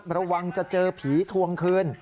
ระวังจะเจอผีทวงคืน